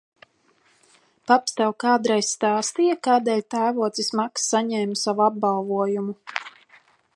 Paps tev kādreiz stāstīja, kādēļ tēvocis Maks saņēma savu apbalvojumu?